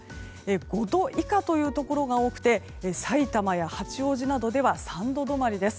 ５度以下というところが多くてさいたまや八王子などでは３度止まりです。